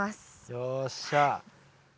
よっしゃ。